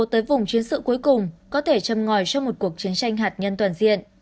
tới vùng chiến sự cuối cùng có thể châm ngòi cho một cuộc chiến tranh hạt nhân toàn diện